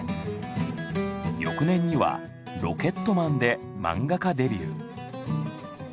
翌年には「ロケットマン」で漫画家デビュー。